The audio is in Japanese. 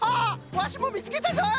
ワシもみつけたぞい！